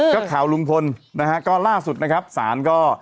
ก็ข่าวลุงพลนะฮะก็ล่าสุดนะครับศาลก็